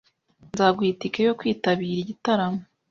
Nzaguha itike yo kwitabira igitaramo?